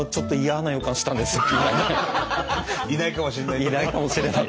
いないかもしれない？